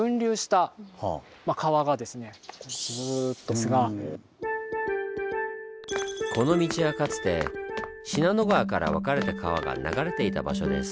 実はこの道はかつて信濃川から分かれた川が流れていた場所です。